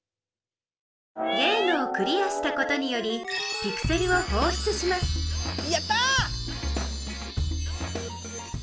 ゲームをクリアしたことによりピクセルをほうしゅつしますやったぁ！